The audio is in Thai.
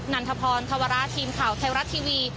ันทพรธวระทีมข่าวไทยรัฐทีวี